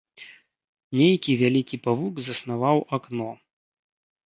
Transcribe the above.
Нейкі вялікі павук заснаваў акно.